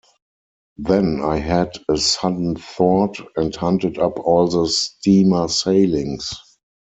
Then I had a sudden thought, and hunted up all the steamer sailings.